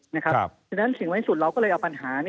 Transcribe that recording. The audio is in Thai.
เพราะฉะนั้นสิ่งไว้ที่สุดเราก็เลยเอาปัญหา